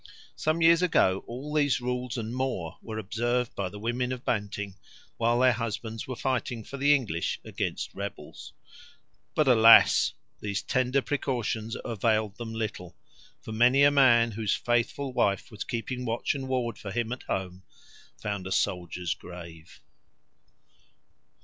Some years ago all these rules and more were observed by the women of Banting, while their husbands were fighting for the English against rebels. But alas! these tender precautions availed them little; for many a man, whose faithful wife was keeping watch and ward for him at home, found a soldier's grave.